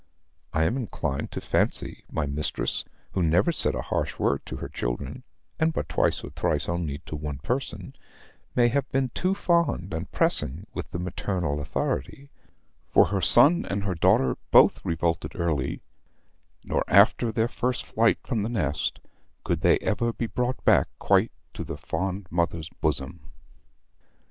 I am inclined to fancy, my mistress, who never said a harsh word to her children (and but twice or thrice only to one person), must have been too fond and pressing with the maternal authority; for her son and her daughter both revolted early; nor after their first flight from the nest could they ever be brought back quite to the fond mother's bosom.